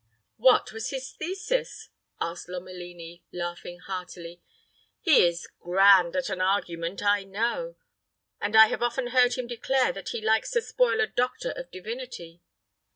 "What was his thesis?" asked Lomelini, laughing heartily. "He is grand at an argument, I know; and I have often heard him declare that he likes to spoil a doctor of divinity."